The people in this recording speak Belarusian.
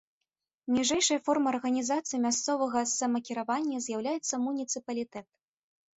Ніжэйшай формай арганізацыі мясцовага самакіравання з'яўляецца муніцыпалітэт.